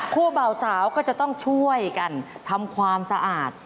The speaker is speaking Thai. เบาสาวก็จะต้องช่วยกันทำความสะอาด